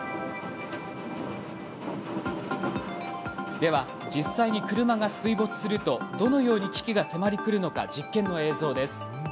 では実際に車が水没するとどのように危機が迫りくるのか実験の映像です。